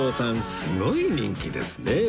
すごい人気ですね